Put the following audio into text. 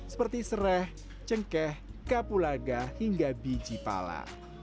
seperti seraih cengkeh kapulaga hingga biji pala